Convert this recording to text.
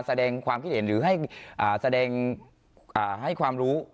แสดงความคิดเห็นหรือให้แสดงให้ความรู้